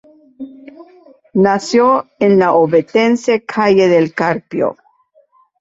Nació en la ovetense calle del Carpio.